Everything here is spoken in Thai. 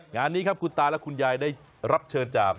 งานนี้ครับคุณตาและคุณยายได้รับเชิญจาก